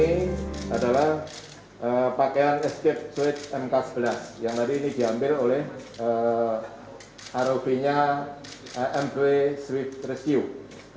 ini adalah pakaian escape suit mk sebelas yang tadi diambil oleh rob nya m dua swift rescue